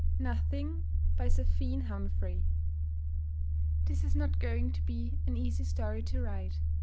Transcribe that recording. NOTHING BY ZEPHINE HUMPHREY This is not going to be an easy story to write.